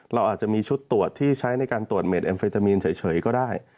เราอาจจะมีชุดตรวจที่ใช้ในการตรวจเมดเอ็มเฟตามีนเฉยก็ได้